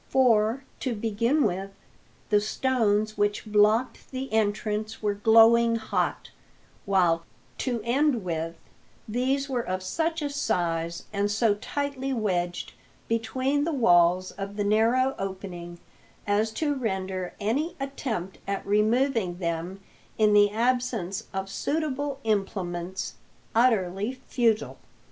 For, to begin with, the stones which blocked the entrance were glowing hot; while, to end with, these were of such a size, and so tightly wedged between the walls of the narrow opening, as to render any attempt at removing them, in the absence of suitable implements, utterly futile.